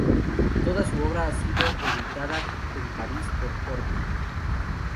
Toda su obra ha sido editada en París por Corti.